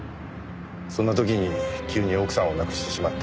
そんな時に急に奥さんを亡くしてしまって。